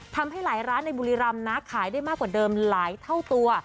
ทำให้หลายร้านในบุรีรำนะขายได้มากกว่าเดิมหลายเท่าตัว